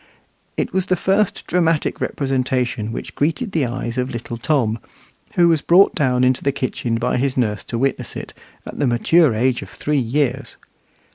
It was the first dramatic representation which greeted the eyes of little Tom, who was brought down into the kitchen by his nurse to witness it, at the mature age of three years.